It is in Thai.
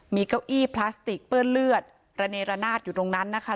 มีเก้าอี้พลาสติกเปื้อนเลือดระเนรนาศอยู่ตรงนั้นนะคะ